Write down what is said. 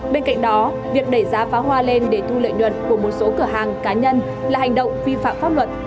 bên cạnh đó việc đẩy giá pháo hoa lên để thu lợi nhuận của một số cửa hàng cá nhân là hành động vi phạm pháp luật